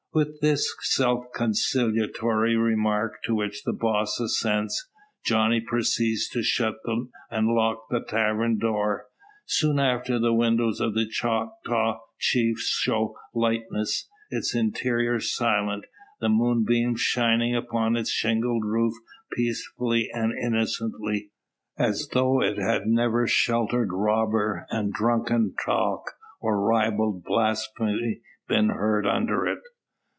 With this self consolatory remark, to which the "boss" assents, Johnny proceeds to shut and lock the tavern door. Soon after the windows of the Choctaw Chief show lightless, its interior silent, the moonbeams shining upon its shingled roof peacefully and innocently, as though it had never sheltered robber, and drunken talk or ribald blasphemy been heard under it.